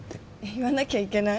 言わなきゃいけない？